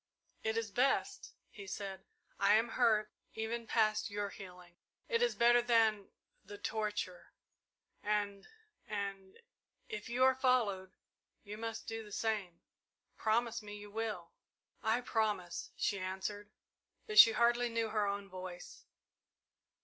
"It is best," he said. "I am hurt even past your healing it is better than the torture and and if you are followed, you must do the same. Promise me you will!" "I promise," she answered, but she hardly knew her own voice.